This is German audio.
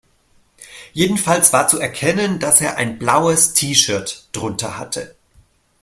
Jedenfalls war zu erkennen, dass er ein blaues T-Shirt drunter hatte.